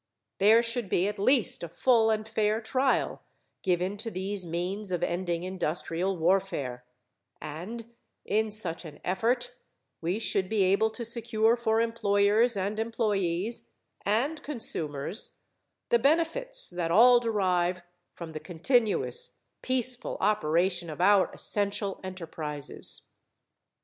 There should be at least a full and fair trial given to these means of ending industrial warfare; and in such an effort we should be able to secure for employers and employees and consumers the benefits that all derive from the continuous, peaceful operation of our essential enterprises.